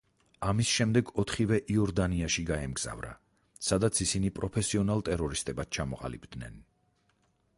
ამის შემდეგ ოთხივე იორდანიაში გაემგზავრა, სადაც ისინი პროფესიონალ ტერორისტებად ჩამოყალიბდნენ.